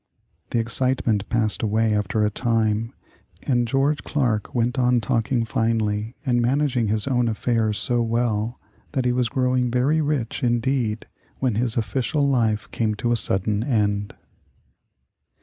The excitement passed away after a time, and George Clarke went on talking finely and managing his own affairs so well that he was growing very rich indeed when his official life came to a sudden end.